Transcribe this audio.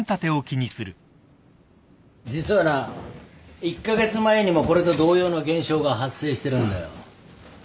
実はな１カ月前にもこれと同様の現象が発生してるんだよ。